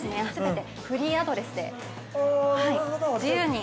◆フリーアドレスで、自由に。